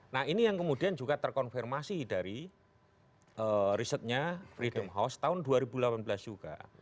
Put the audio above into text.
nah ini yang kemudian juga terkonfirmasi dari risetnya freedom house tahun dua ribu delapan belas juga